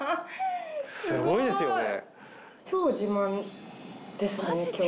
すごいですよね。